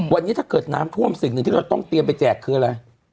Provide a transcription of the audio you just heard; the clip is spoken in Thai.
วันนี้ถ้าเกิดน้ำท่วมสิ่งหนึ่งที่เราต้องเตรียมไปแจกคืออะไร